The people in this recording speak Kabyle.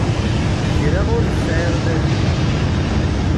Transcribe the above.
Kra ur t-sɛiɣ d ajdid.